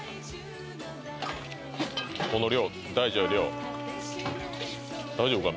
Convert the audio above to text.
この量大事よ量大丈夫か？